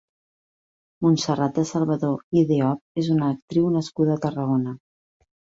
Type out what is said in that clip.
Montserrat de Salvador i Deop és una actriu nascuda a Tarragona.